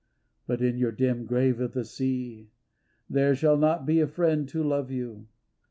" But in your dim grave of the sea There shall not be a friend to love you.